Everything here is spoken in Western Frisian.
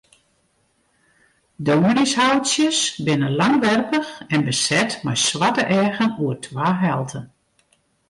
Dominyshoutsjes binne langwerpich en beset mei swarte eagen oer twa helten.